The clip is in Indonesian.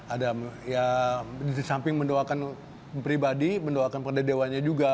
ada ya di samping mendoakan pribadi mendoakan pada dewannya juga